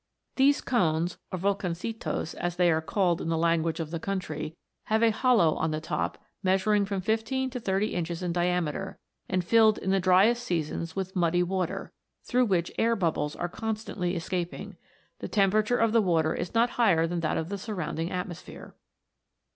These cones, or Volcancitos, as they are called in the language of the country, have a hollow on the top, measuring from fifteen to thirty inches in diameter, and filled in the driest seasons with muddy water, through which air bubbles are constantly escaping : the temperature of the water is not higher than that of the surrounding atmosphere.